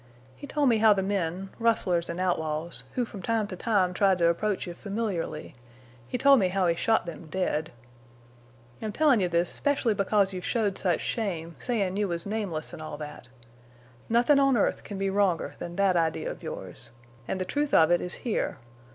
He told me how the men—rustlers an' outlaws—who from time to time tried to approach you familiarly—he told me how he shot them dead. I'm tellin' you this 'specially because you've showed such shame—sayin' you was nameless an' all that. Nothin' on earth can be wronger than that idea of yours. An' the truth of it is here.